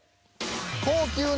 「高級な」